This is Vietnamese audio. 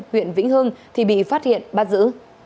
huyện vĩnh hưng bị phát hiện bắt giữ